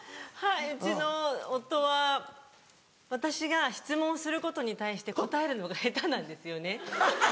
はいうちの夫は私が質問することに対して答えるのが下手なんですよね。